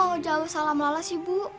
aku mau jauh salam lala sih bu